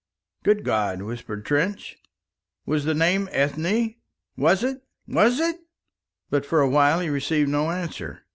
"Good God!" whispered Trench. "Was the name Ethne? Was it? Was it?" But for a while he received no answer.